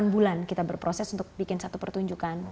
delapan bulan kita berproses untuk bikin satu pertunjukan